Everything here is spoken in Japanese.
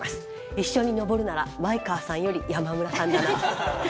一緒に登るなら前川さんより山村さんだな。